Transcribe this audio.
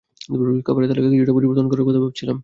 খাবারের তালিকা কিছুটা পরিবর্তন করার কথা ভাবছিলাম।